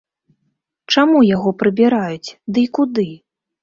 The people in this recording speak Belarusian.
Чаму яго прыбіраць, дый куды?